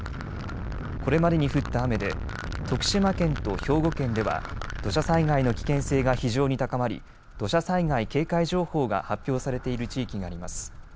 これまでに降った雨で徳島県と兵庫県では土砂災害の危険性が非常に高まり、土砂災害警戒情報が発表されている地域があります。